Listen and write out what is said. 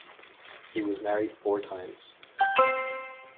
He was married four times.